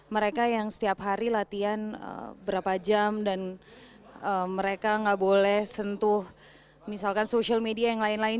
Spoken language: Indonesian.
mereka yang setiap hari latihan berapa jam dan mereka nggak boleh sentuh misalkan social media yang lain lain